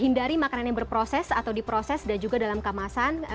hindari makanan yang berproses atau diproses dan juga dalam kemasan